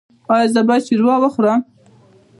ایا زه باید شوروا وخورم؟